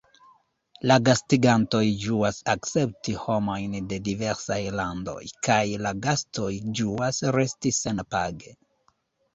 La gastigantoj ĝuas akcepti homojn de diversaj landoj, kaj la gastoj ĝuas resti senpage.